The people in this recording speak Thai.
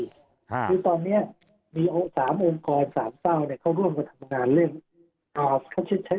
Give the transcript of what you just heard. คือตอนนี้มี๓องค์กร๓เศร้าเนี่ยเขาร่วมกับทำงานเรื่อง